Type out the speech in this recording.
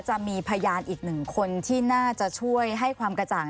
หนึ่งคนที่น่าจะช่วยให้ความกระจ่าง